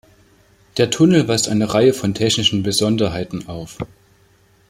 Der Tunnel weist eine Reihe von technischen Besonderheiten auf.